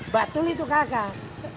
batul itu kakak